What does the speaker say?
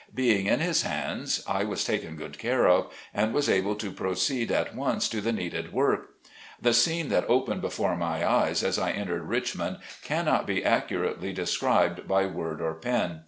Being in his hands I was taken good care of, and was able to IX A VIRGINIA PULPIT. 59 proceed at once to the needed work. The scene that opened before my eyes as I entered Richmond cannot be accurately described by word or pen.